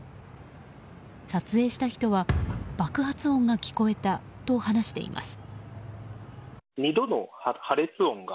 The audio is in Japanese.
撮影した人は爆発音が聞こえたと話しています。